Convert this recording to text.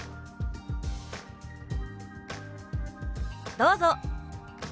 どうぞ！